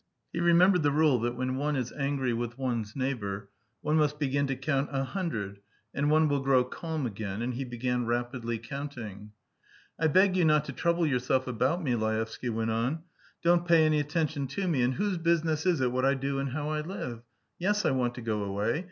He remembered the rule that when one is angry with one's neighbour, one must begin to count a hundred, and one will grow calm again; and he began rapidly counting. "I beg you not to trouble yourself about me," Laevsky went on. "Don't pay any attention to me, and whose business is it what I do and how I live? Yes, I want to go away.